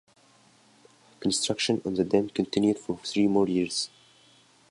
Construction on the dam continued for three more years.